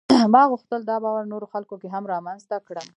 ما غوښتل دا باور نورو خلکو کې هم رامنځته کړم.